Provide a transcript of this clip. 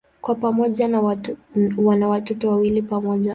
Kwa pamoja wana watoto wawili pamoja.